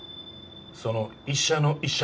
その「医者の医者」